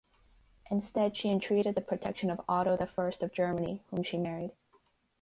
Instead she entreated the protection of Otto the First of Germany, whom she married.